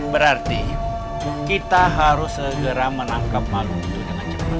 berarti kita harus segera menangkap malu itu dengan cepat